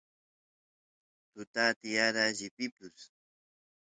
tuta tiyara llipipiy